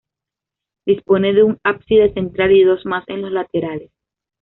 Dispone de un ábside central y dos más en los laterales.